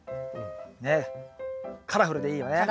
ねっカラフルでいいよね。